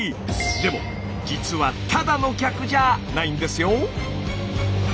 でも実はただの逆じゃあないんですよ。